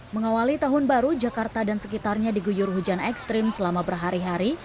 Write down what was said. mengawali tahun baru jakarta dan sekitarnya diguyur hujan ekstrim selama berhari hari